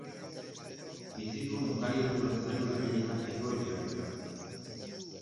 Bizidun eukariotoen zelula gehienak diploideak dira.